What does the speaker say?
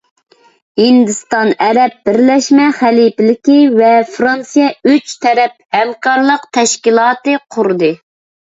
ھىندىستان، ئەرەب بىرلەشمە خەلىپىلىكى ۋە فىرانسىيە ئۈچ تەرەپ ھەمكارلىق تەشكىلاتى قۇردى.